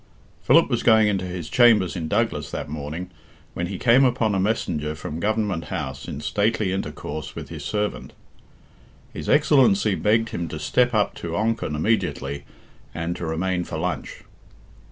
Philip was going into his chambers in Douglas that morning when he came upon a messenger from Government House in stately intercourse with his servant. His Excellency begged him to step up to Onchan immediately, and to remain for lunch.